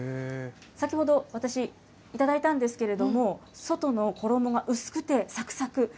先ほど、私、頂いたんですけれども、外の衣が薄くてさくさく。